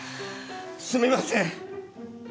すみません！